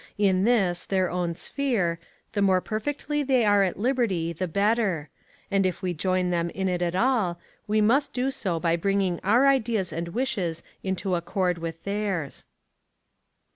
In this, their own sphere, the more perfectly they are at liberty, the better; and if we join them in it at all, we must do so by bringing our ideas and wishes into accord with theirs.